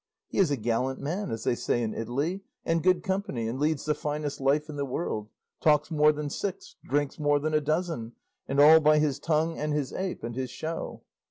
He is a 'gallant man' as they say in Italy, and good company, and leads the finest life in the world; talks more than six, drinks more than a dozen, and all by his tongue, and his ape, and his show."